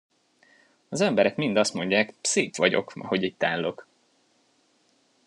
Az emberek mind azt mondják, szép vagyok, ahogy itt állok!